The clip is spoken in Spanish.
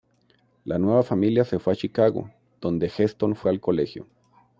La nueva familia se fue a Chicago, donde Heston fue al colegio.